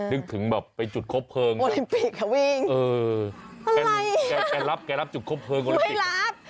นึกถึงแบบไปจุดครบเพลิงเอออะไรแกรับจุดครบเพลิงโอลิมปิก